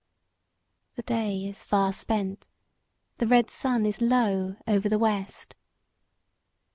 The day is far spent, the red sun is low over the west.